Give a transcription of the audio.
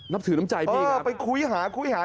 นับถือน้ำใจพี่เออไปคุยหาคุยหา